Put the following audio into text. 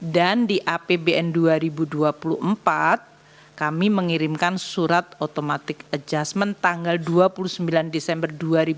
di apbn dua ribu dua puluh empat kami mengirimkan surat automatic adjustment tanggal dua puluh sembilan desember dua ribu dua puluh